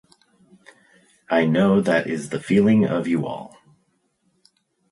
I know that is the feeling of you all.